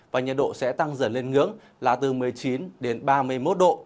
và nhật độ sẽ tăng dần lên hướng là từ một mươi chín đến ba mươi một độ